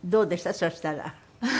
そしたら。